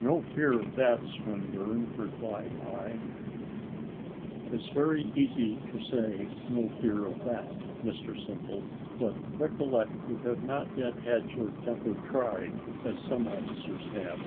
"No fear of that, Swinburne," replied I. "It's very easy to say `no fear of that,' Mr Simple: but recollect you have not yet had your temper tried as some officers have.